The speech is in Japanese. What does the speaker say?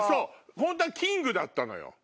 ホントは「キング」だったのよ。